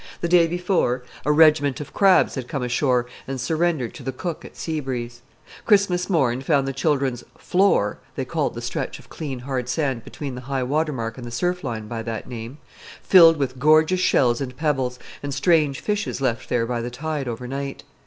The day before, a regiment of crabs had come ashore and surrendered to the cook at Sea Breeze. Christmas morn found the children's "floor" they called the stretch of clean, hard sand between high water mark and the surf line by that name filled with gorgeous shells and pebbles, and strange fishes left there by the tide overnight.